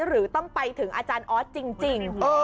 หรือต้องไปถึงอาจารย์ออสจริง